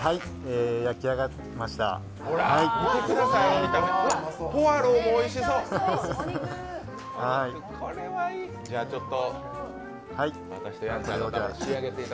焼き上がってきました。